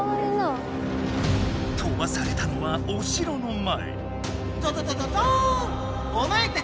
とばされたのはおしろの前。